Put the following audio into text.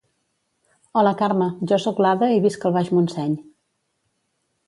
Hola Carme, jo soc l'Ada i visc al Baix Montseny